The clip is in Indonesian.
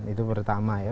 itu pertama ya